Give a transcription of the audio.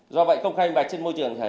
do vậy công khai minh bạch trên môi trường